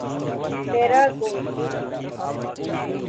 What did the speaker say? Paraguay